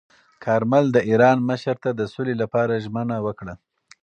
کارمل د ایران مشر ته د سولې لپاره ژمنه وکړه.